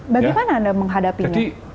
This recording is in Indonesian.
bagaimana anda menghadapinya